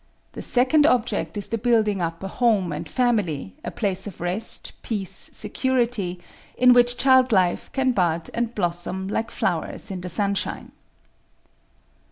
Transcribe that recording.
The second object is the building up a home and family, a place of rest, peace, security, in which child life can bud and blossom like flowers in the sunshine.